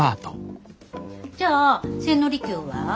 じゃあ千利休は？